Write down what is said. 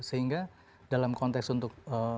sehingga dalam konteks untuk